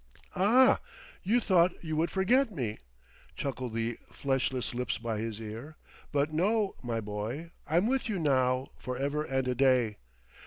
"Ah, you thought you would forget me?" chuckled the fleshless lips by his ear. "But no, my boy; I'm with you now, for ever and a day.